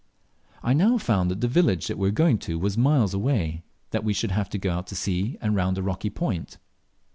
I now found that the village we were going to was miles away; that we should have to go out to sea, and round a rocky point.